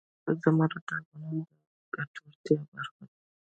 زمرد د افغانانو د ګټورتیا برخه ده.